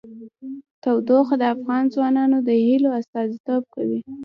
تودوخه د افغان ځوانانو د هیلو استازیتوب کوي.